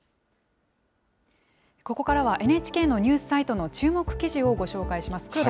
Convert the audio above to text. ここからはＮＨＫのニュースサイトの注目記事をご紹介します。